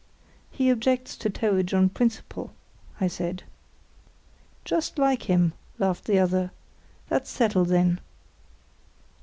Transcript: "He objects to towage on principle," I said. "Just like him!" laughed the other. "That's settled, then!"